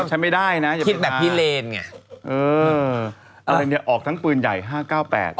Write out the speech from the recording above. ฉันไม่ได้นะอย่าคิดแบบพิเลนไงเอออะไรเนี่ยออกทั้งปืนใหญ่ห้าเก้าแปด